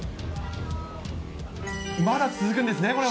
まだ続くんですね、これは。